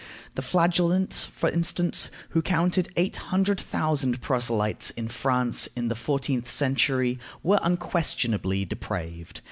The Flagellants, for instance, who counted eight hundred thousand proselytes in France in the fourteenth century, were unquestionably depraved.